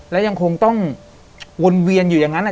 และยังคงต้องวนเวียนอยู่อย่างนั้น